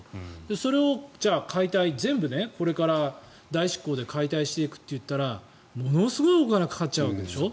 それをじゃあ、解体全部これから代執行で解体していくといったらものすごいお金がかかっちゃうわけでしょ？